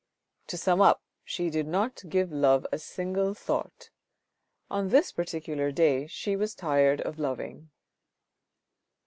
To sum up she did not give love a single thought ; on this particular day she was tired of loving.